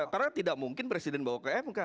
karena tidak mungkin presiden bawa ke mk